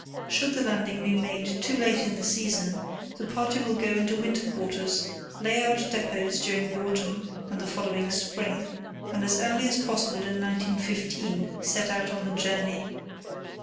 Should the landing be made too late in the season, the party will go into winter quarters, lay out depots during the autumn and the following spring, and as early as possible in 1915 set out on the journey.